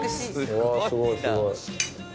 うわすごいすごい。